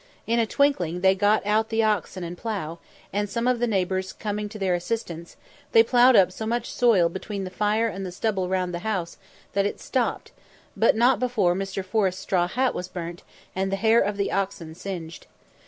In a twinkling they got out the oxen and plough, and, some of the neighbours coming to their assistance, they ploughed up so much soil between the fire and the stubble round the house, that it stopped; but not before Mr. Forrest's straw hat was burnt, and the hair of the oxen singed.